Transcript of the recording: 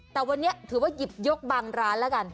แต่วันนี้ถือว่าหยิบยกบางร้านแล้วกัน